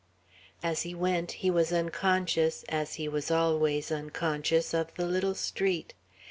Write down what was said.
As he went he was unconscious, as he was always unconscious, of the little street.